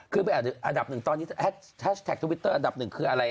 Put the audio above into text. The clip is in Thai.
คืออันดับหนึ่งตอนนี้แฮชแท็กทวิตเตอร์อันดับหนึ่งคืออะไร